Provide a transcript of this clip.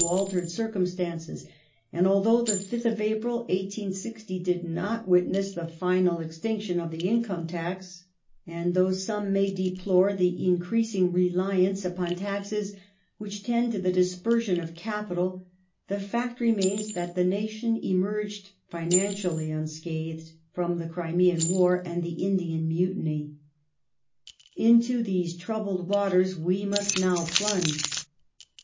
430. 1855] THE CRIMEAN WAR 217 altered circumstances, and although the 5th of April, 1860, did not witness the final extinction of the income tax, and though some may deplore the increasing reliance upon taxes which tend to the dispersion of capital, the fact remains that the nation emerged financially unscathed from the Crimean War and the Indian Mutiny. Into these troubled watei's we must now plunge.